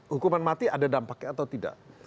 hukuman mati ada dampaknya atau tidak